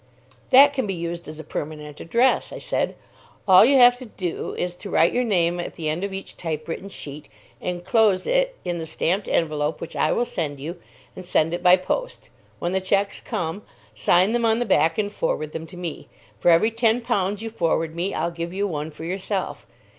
"That can be used as a permanent address," I said. "All you have to do is to write your name at the end of each typewritten sheet, enclose it in the stamped envelope which I will send you, and send it by post. When the cheques come, sign them on the back and forward them to me. For every ten pounds you forward me, I'll give you one for yourself.